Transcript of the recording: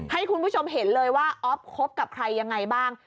ให้คุณผู้ชมเห็นเลยว่าอ๊อฟคบกับใครยังไงบ้าง